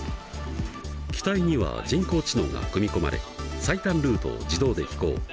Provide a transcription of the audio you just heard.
機体には人工知能が組み込まれ最短ルートを自動で飛行。